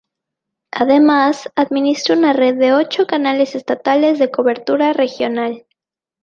Además, administra una red de ocho canales estatales de cobertura regional.